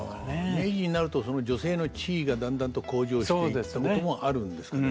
明治になるとその女性の地位がだんだんと向上していったこともあるんですかね。